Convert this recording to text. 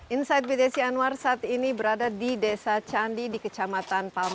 insight bdsi anwar saat ini berada di desa candi di kecamatan palmatak